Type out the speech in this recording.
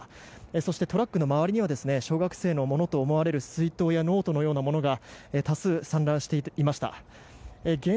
そして、トラックの周りには小学生のものと思われる水筒やノートのようなものが多数散乱していました。